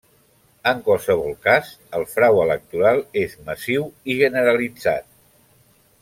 En qualsevol cas el frau electoral és massiu i generalitzat.